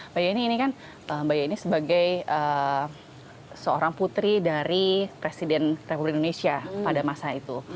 mbak yeni ini kan mbak yeni sebagai seorang putri dari presiden republik indonesia pada masa itu